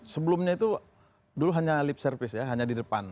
sebelumnya itu dulu hanya lip service ya hanya di depan